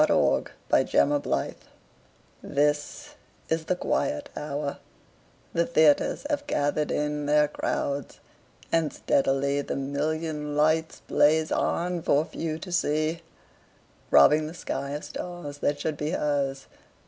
Sara Teasdale Broadway THIS is the quiet hour; the theaters Have gathered in their crowds, and steadily The million lights blaze on for few to see, Robbing the sky of stars that should be hers.